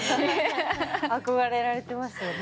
憧れられてますよね。